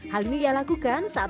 hal ini ia lakukan saat